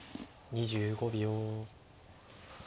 ２５秒。